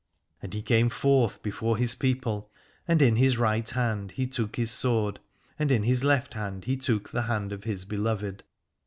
And he came forth before his people, and in his right hand he took his sword, and in his left hand he took the hand of his beloved.